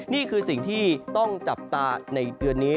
นี่คือสิ่งที่ต้องจับตาในเดือนนี้